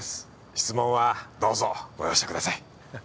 質問はどうぞご容赦ください。